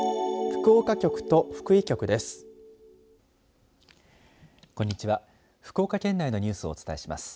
福岡局と福井局です。